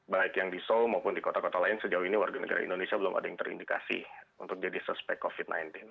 baik yang di seoul maupun di kota kota lain sejauh ini warga negara indonesia belum ada yang terindikasi untuk jadi suspek covid sembilan belas